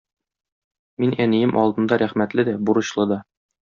Мин әнием алдында рәхмәтле дә, бурычлы да.